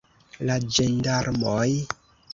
La ĝendarmoj!